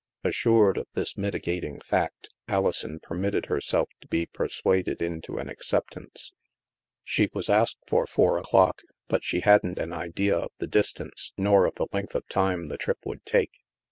Assured of this mitigating fact, Alison permitted herself to be persuaded into an acceptance. She was asked for four o'clock, but she hadn't an idea of the distance nor of the length of time the trip would take.